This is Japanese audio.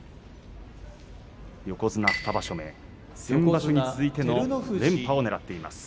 横綱２場所目、先場所に続いての連覇をねらっています。